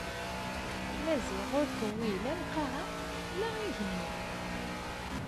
Maziɣ ur t-tewwi la lqaɛa la igenni.